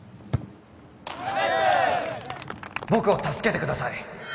僕を助けてください